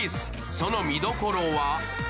その見どころは？